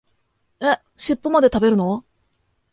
え、しっぽまで食べるの？